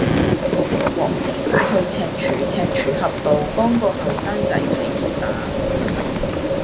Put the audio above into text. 黃師傅去赤柱赤柱峽道幫個後生仔睇跌打